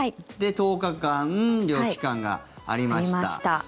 で、１０日間療養期間がありました。